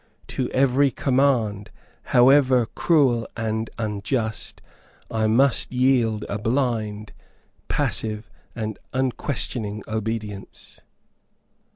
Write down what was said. To every command, however cruel and unjust, I must yield a blind, passive, and unquestioning obedience.